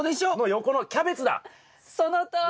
横のそのとおり。